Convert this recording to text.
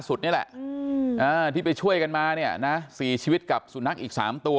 นี่แหละที่ไปช่วยกันมาเนี่ยนะ๔ชีวิตกับสุนัขอีก๓ตัว